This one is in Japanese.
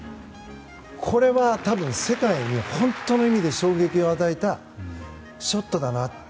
これは世界に本当の意味で衝撃を与えたショットだなって。